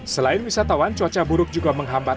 selain wisatawan cuaca buruk juga menghambat